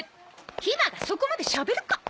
ひまがそこまでしゃべるか！